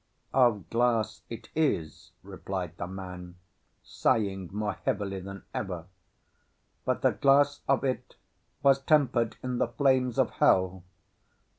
"Of glass it is," replied the man, sighing more heavily than ever; "but the glass of it was tempered in the flames of hell.